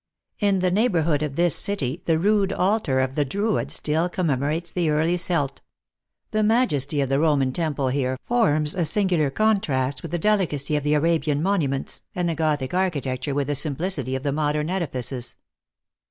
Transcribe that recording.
In the neighborhood of this city the rude altar of the Druid still commemorates the early Celt. The majesty of the Roman temple here forms a singular contrast with the delicacy of the Ara bian monuments, and the Gothic architecture with the simplicity of the modern edifices."